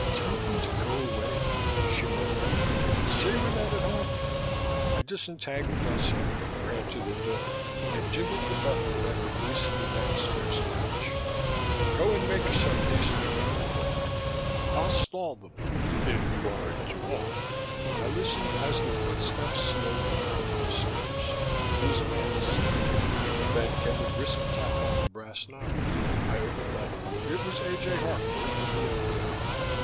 "Tell them to go away," she murmured. "Say we're not at home." I disentangled myself, ran to the door and jiggled the button that released the downstairs catch. "Go and make yourself decent," I told her. "I'll stall them if you aren't too long." I listened as the footsteps slowly mounted the stairs. It was a man's step. Then came a brisk tap on the brass knocker. I opened up. It was A. J. Harcourt of the F.B.I.